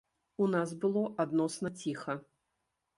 У нас было адносна ціха.